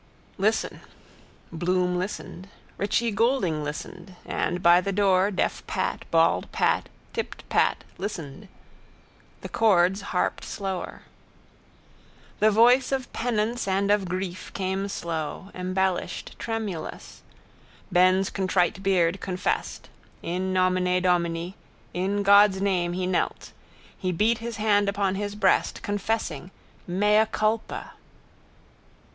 Listen. Bloom listened. Richie Goulding listened. And by the door deaf Pat, bald Pat, tipped Pat, listened. The chords harped slower. The voice of penance and of grief came slow, embellished, tremulous. Ben's contrite beard confessed. in nomine Domini, in God's name he knelt. He beat his hand upon his breast, confessing: _mea culpa.